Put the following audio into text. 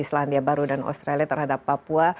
selandia baru dan australia terhadap papua